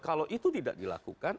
kalau itu tidak dilakukan